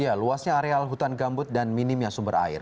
ya luasnya areal hutan gambut dan minimnya sumber air